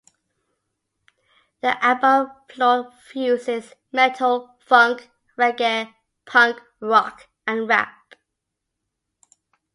The album "Floored" fuses metal, funk, reggae, punk rock and rap.